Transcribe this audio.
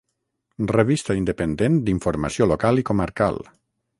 Revista independent d'informació local i comarcal.